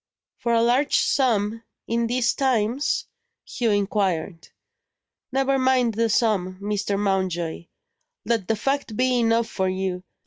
"For a large sum in these times?" Hugh inquired. "Never mind the sum, Mr. Mountjoy let the fact be enough for you.